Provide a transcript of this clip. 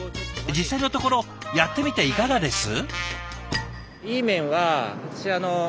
実際のところやってみていかがです？